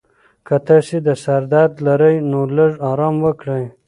که تاسي د سر درد لرئ، نو لږ ارام وکړئ.